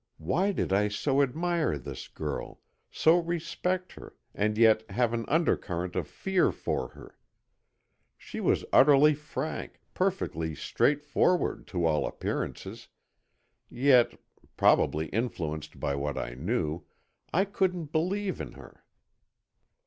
Why did I so admire this girl, so respect her, and yet have an undercurrent of fear for her? She was utterly frank, perfectly straightforward, to all appearances, yet—probably influenced by what I knew—I couldn't believe in her.